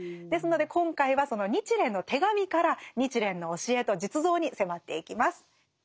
ですので今回はその「日蓮の手紙」から日蓮の教えと実像に迫っていきます。